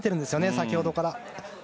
先ほどから。